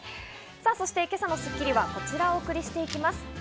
さぁ、今朝の『スッキリ』はこちらをお送りしていきます。